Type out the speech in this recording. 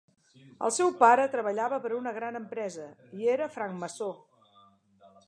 El seu pare treballava per a una gran empresa i era francmaçó.